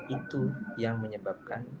itu yang menyebabkan